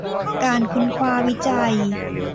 การค้นคว้าวิจัย